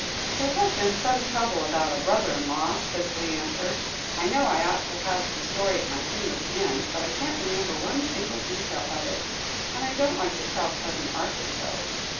"There has been some trouble about a brother in law," Cicely answered. "I know I ought to have the story at my fingers' ends, but I can't remember one single detail of it, and I don't like to tell Cousin Arthur so.